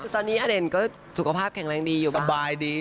ตอนนี้อเด่นก็สุขภาพแข็งแรงดีอยู่สบายดี